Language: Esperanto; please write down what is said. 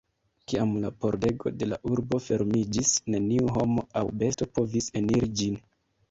Kiam la pordego de la urbo fermiĝis, neniu homo aŭ besto povis eniri ĝin.